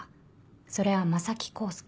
それは正木浩介。